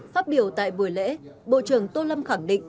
phát biểu tại buổi lễ bộ trưởng tô lâm khẳng định